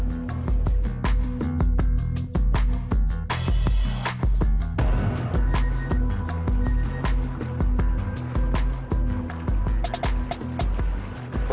ya jangan kutuk dua